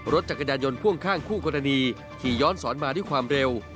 รถจักรยานยนต์พ่วงข้างคู่กรณีขี่ย้อนสอนมาด้วยความเร็ว